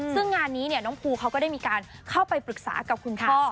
ซึ่งงานนี้น้องภูเขาก็ได้มีการเข้าไปปรึกษากับคุณพ่อ